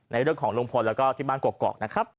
ในเรื่องของลุงพลแล้วก็ที่บ้านกรอกนะครับ